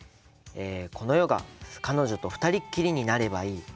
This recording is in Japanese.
「この世が彼女の２人きりになればいい。